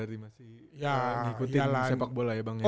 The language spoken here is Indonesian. yang berarti masih ngikutin sepak bola ya bang ya